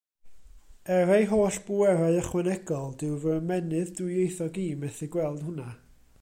Er ei holl bwerau ychwanegol, dyw fy ymennydd dwyieithog i methu gweld hwnna.